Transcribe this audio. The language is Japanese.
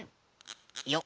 よっ。